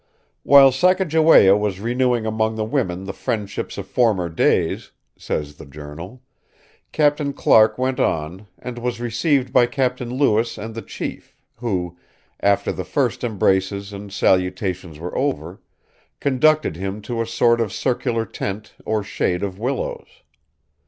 "While Sacajawea was renewing among the women the friendships of former days," says the journal, "Captain Clark went on, and was received by Captain Lewis and the chief, who, after the first embraces and salutations were over, conducted him to a sort of circular tent or shade of willows.